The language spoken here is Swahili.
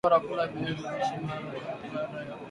ni bora kula viazi lishe mara tu baada ya kula